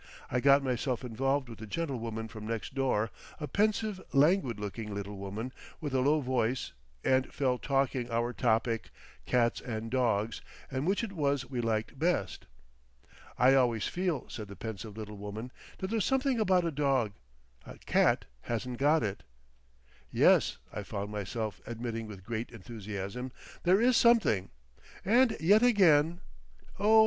I got myself involved with the gentlewoman from next door, a pensive, languid looking little woman with a low voice, and fell talking; our topic, Cats and Dogs, and which it was we liked best. "I always feel," said the pensive little woman, "that there's something about a dog—A cat hasn't got it." "Yes," I found myself admitting with great enthusiasm, "there is something. And yet again—" "Oh!